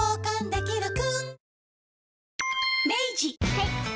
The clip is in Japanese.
はい。